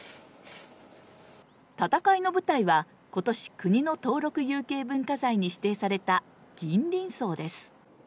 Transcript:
戦いの舞台は今年、国の登録有形文化財に指定された銀鱗荘です。